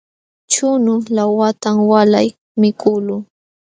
Chunu laawatam walay mikuqluu.